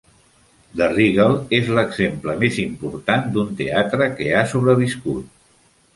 The Regal és l'exemple més important d'un teatre que ha sobreviscut.